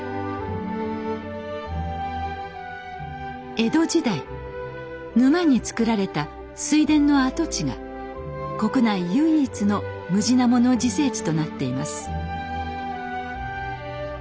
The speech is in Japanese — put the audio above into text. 江戸時代沼に作られた水田の跡地が国内唯一のムジナモの自生地となっています。